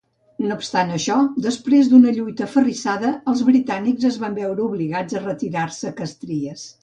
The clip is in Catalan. No obstant això, després d'una lluita aferrissada, els britànics es van veure obligats a retirar-se a Castries.